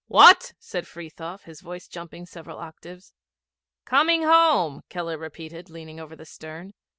'What?' said Frithiof, his voice jumping several octaves. 'Coming home,' Keller repeated, leaning over the stern.